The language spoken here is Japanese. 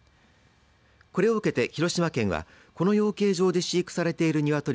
これを受けて、広島県はこの養鶏場で飼育されているニワトリ